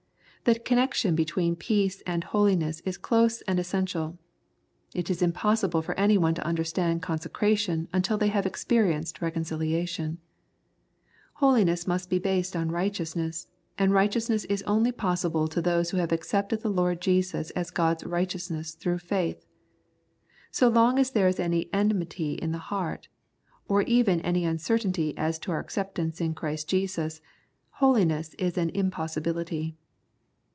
The connection between peace and holiness is close and essential. It is impossible for anyone to understand consecration until they have experienced reconciliation. Holi ness must be based on righteousness, and righteousness is only possible to those who have accepted the Lord Jesus as God's righteousness through faith. So long as there is any enmity in the heart, or even any uncertainty as to our acceptance in Christ Jesus, holiness is an impossibility.